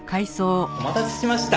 お待たせしました。